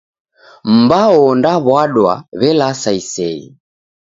Mbao ondaw'adwa w'elasa iseghe.